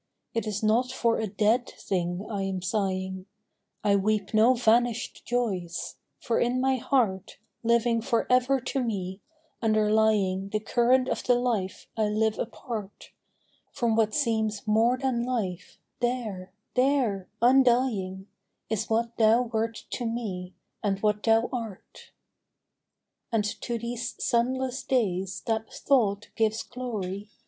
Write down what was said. It is not for a dead thing I am sighing: I weep no vanished ]oy% for in my heart, Living for ever to me, underlying The current of the life I Uve apart From what seems more than life, there, there, undying, Is what thou wert to me, and what thou art ! And to these sunless days that thought gives glory.